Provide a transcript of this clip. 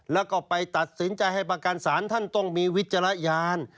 แล้วก็ไปตัดสินใจให้ประกันศาลท่านต้องมีวิจารณญาณ